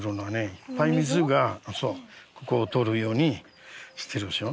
いっぱい水がここを通るようにしてるでしょ。